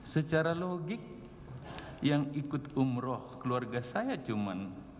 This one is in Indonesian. secara logik yang ikut umroh keluarga saya cuma